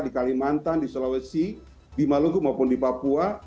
di kalimantan di sulawesi di maluku maupun di papua